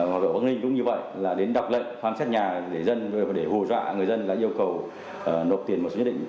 hoặc ở bắc ninh cũng như vậy là đến đọc lệ khám xét nhà để hù dọa người dân đã yêu cầu nộp tiền một số nhất định